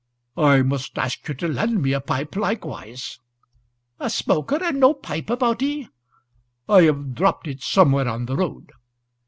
"I must ask you to lend me a pipe likewise." "A smoker, and no pipe about ye?" "I have dropped it somewhere on the road."